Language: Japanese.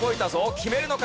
決めるのか？